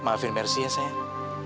maafin mercy ya sayang